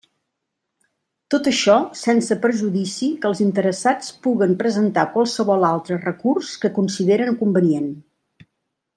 Tot això sense perjudici que els interessats puguen presentar qualsevol altre recurs que consideren convenient.